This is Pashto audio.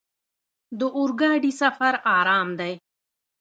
د اورګاډي سفر ارام دی.